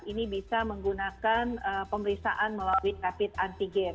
ini bisa menggunakan pemeriksaan melalui rapid antigen